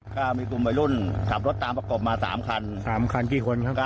ก็มีกลุ่มบรรยุ่นขับรถตามประกบมาสามคันสามคันกี่คนครับ